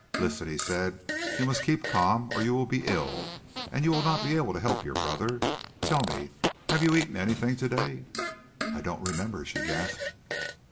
"Listen," he said, "you must keep calm or you will be ill, and you will not be able to help your brother. Tell me, have you eaten anything to day?" "I don't remember," she gasped.